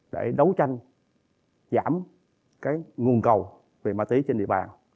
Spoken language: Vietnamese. để đấu tranh giảm nguồn cầu về ma túy trên địa bàn